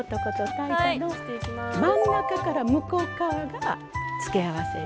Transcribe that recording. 真ん中から向こう側が付け合わせよ。